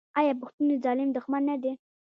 آیا پښتون د ظالم دښمن نه دی؟